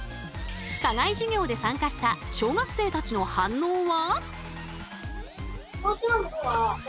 課外授業で参加した小学生たちの反応は？